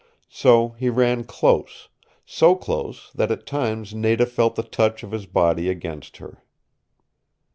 So he ran close so close that at times Nada felt the touch of his body against her.